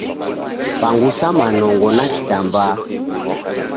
Pangusa manongo na kitambaa